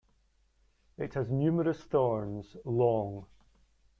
It has numerous thorns, long.